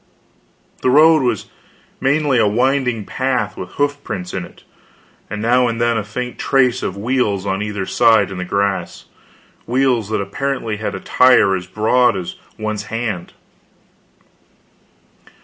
The road was mainly a winding path with hoof prints in it, and now and then a faint trace of wheels on either side in the grass wheels that apparently had a tire as broad as one's hand.